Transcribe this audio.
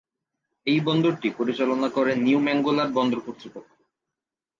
এই বন্দরটি পরিচালনা করে নিউ ম্যাঙ্গালোর বন্দর কর্তৃপক্ষ।